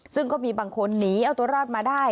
ซึ่งก็มีบางคนหนีเอาตัวรอดมาได้